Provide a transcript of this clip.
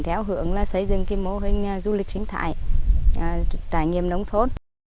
theo hưởng là xây dựng cái mô hình du lịch chính thại trải nghiệm nông thôn